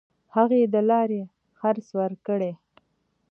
هغه د لارې خرڅ ورکړي.